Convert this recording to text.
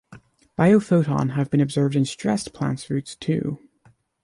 Biophoton have been observed in stressed plant's roots, too.